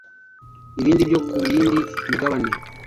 ibindi byo ku yindi migabane.